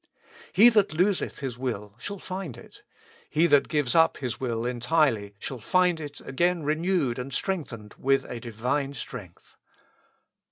He that loseth his will shall find it ; he that gives up his will entirely shall find it again renewed and strengthened with a Divine strength.